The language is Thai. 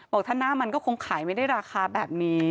บอกถ้าหน้ามันก็คงขายไม่ได้ราคาแบบนี้